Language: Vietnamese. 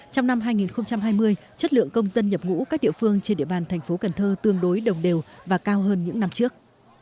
trong năm hai nghìn hai mươi chất lượng công dân nhập ngũ các địa phương trên địa bàn thành phố cần thơ tương đối đồng đều và cao hơn những năm trước